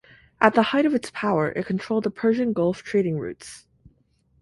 At the height of its power, it controlled the Persian Gulf trading routes.